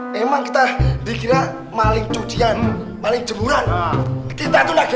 memang kita dikira maling cucian maling jemuran kita tuh lagi